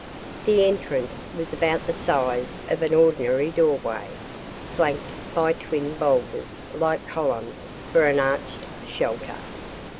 The entrance was about the size of an ordinary doorway, flanked by twin boulders like columns for an arched shelter.